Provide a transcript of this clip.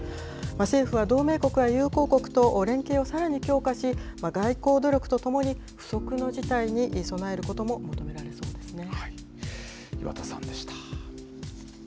政府は同盟国や友好国と連携をさらに強化し、外交努力とともに、不測の事態に備えることも求められそうですね。